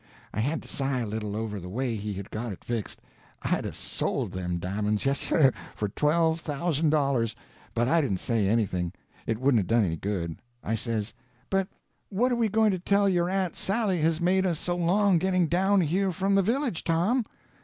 I had to sigh a little over the way he had got it fixed. I'd 'a' sold them di'monds—yes, sir—for twelve thousand dollars; but I didn't say anything. It wouldn't done any good. I says: "But what are we going to tell your aunt Sally has made us so long getting down here from the village, Tom?"